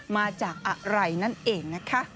มาจากอะไรนั่นเองนะคะ